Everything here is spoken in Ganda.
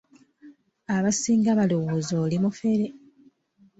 Abasinga balowooza oli mufere.